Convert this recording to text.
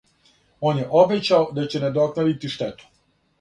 Он је обећао да ће надокнадити штету.